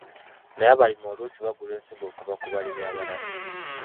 Naye abalimi oluusi bagula ensigo okuva ku balimi abalala.